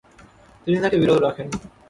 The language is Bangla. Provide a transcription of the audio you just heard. তিনি তাকে বিরত রাখেন।